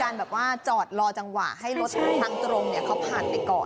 ราคาจอรอจังหวะให้รถพักตรงเนี่ยเขาผ่านให้ก่อน